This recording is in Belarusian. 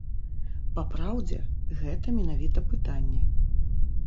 Папраўдзе, гэта менавіта пытанне.